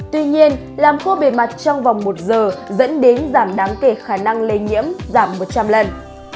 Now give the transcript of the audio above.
tuy nhiên làm khô bề mặt trong vòng một giờ dẫn đến giảm đáng kể khả năng lây nhiễm giảm một trăm linh lần